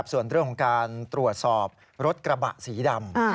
ส่วนเรื่องของการตรวจสอบรถกระบะสีดำ